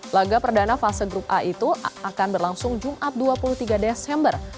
laga perdana fase grup a itu akan berlangsung jumat dua puluh tiga desember